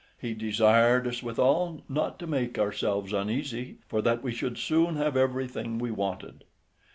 He desired us withal not to make ourselves uneasy, for that we should soon have everything we wanted.